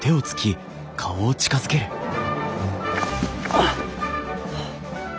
あっ！